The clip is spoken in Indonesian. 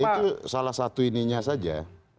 itu salah satu ininya saja